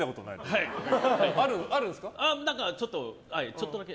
ちょっとだけ。